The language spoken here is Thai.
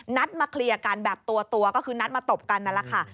นัดมาเคลียร์กันแบบตัวก็คือนัดมาตบกันนั่นแหละค่ะ